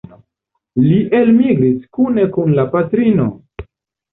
Li elmigris kune kun la patrino.